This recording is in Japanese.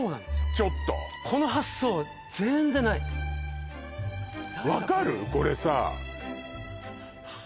ちょっとこの発想全然ない分かる？